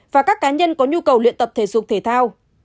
và các cá nhân có nhu cầu luyện tập thể dục thể thao